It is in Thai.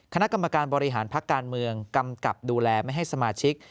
คณะกรรมการบริหารพักการเมืองกำกับดูแลไม่ให้สมาชิก